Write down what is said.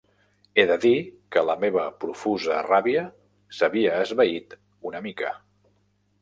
He de dir que la meva profusa ràbia s'havia esvaït una mica.